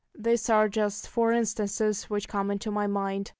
These are just four instances which come into my mind.